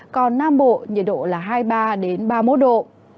còn nam bộ nhiệt độ là hai mươi ba ba mươi một độ